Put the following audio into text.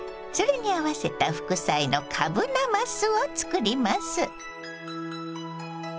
それに合わせた副菜のかぶなますを作ります。